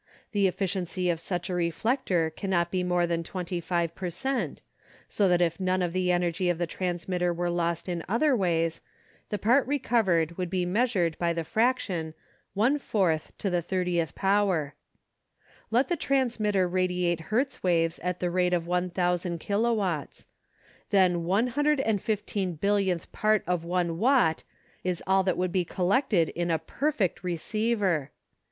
The efficiency of such a reflector cannot be more than 25 per cent, so that if none of the energy of the transmitter were lost in other ways, the part recovered would be measured by the fraction (J4)S0. Let the transmitter radi ate Hertz waves at the rate of 1,000 kilo watts. Then about one hundred and fifteen billionth part of one watt is all that would be collected in a perfect receiver.